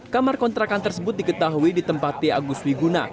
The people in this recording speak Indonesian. kamar kontrakan tersebut diketahui di tempatnya agus wiguna